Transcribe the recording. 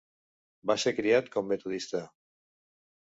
Va ser criat com metodista.